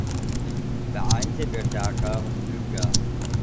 Vereint sind wir stärker und klüger.